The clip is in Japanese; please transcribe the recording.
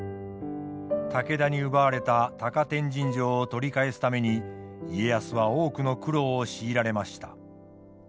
武田に奪われた高天神城を取り返すために家康は多くの苦労を強いられました。